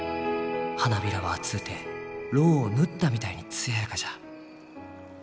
花びらは厚うてロウを塗ったみたいに艶やかじゃ。